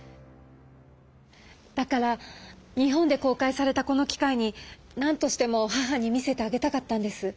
だから日本で公開されたこの機会になんとしても母に見せてあげたかったんです。